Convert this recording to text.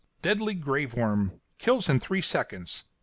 Deadly grave worm kills in three seconds.